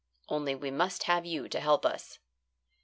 Only we must have you to help us."